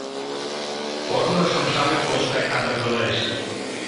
Корно шыҥшале поч гай кадыргылеш.